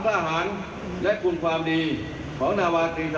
การจัดเตรียมเครื่องบึงอุปกรณ์